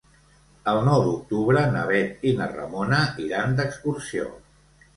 El nou d'octubre na Bet i na Ramona iran d'excursió.